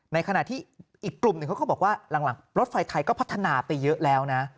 ในขณะที่อีกกลุ่มหนึ่งเขาก็บอกว่าหลังรถไฟไทยก็พัฒนาไปเยอะแล้วนะ